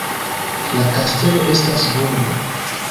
La kastelo estas burgo.